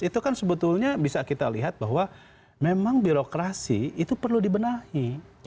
itu kan sebetulnya bisa kita lihat bahwa memang birokrasi itu perlu dibenahi